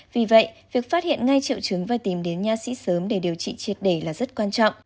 vì vậy việc phát hiện ngay triệu chứng và tìm đến nha sĩ sớm để điều trị triệt để là rất quan trọng